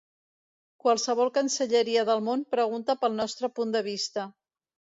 Qualsevol cancelleria del món pregunta pel nostre punt de vista.